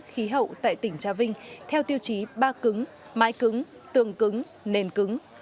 khí hậu tại tỉnh trà vinh theo tiêu chí ba cứng mái cứng tường cứng nền cứng